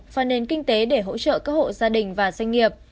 và nền kinh tế để hỗ trợ các hộ gia đình và doanh nghiệp